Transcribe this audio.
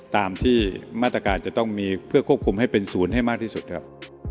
ตามที่มาตรการจะต้องมีเพื่อควบคุมให้เป็นศูนย์ให้มากที่สุดครับ